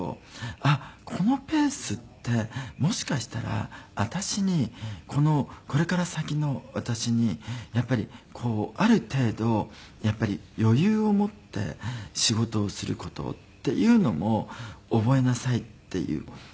あっこのペースってもしかしたら私にこれから先の私にやっぱりある程度余裕を持って仕事をする事っていうのも覚えなさいっていう。